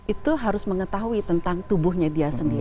itu harus mengetahui tentang tubuhnya dia sendiri